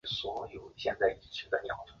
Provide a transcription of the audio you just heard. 当选热河省承德市邮电局邮电工业劳模。